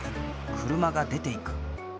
車が出ていく。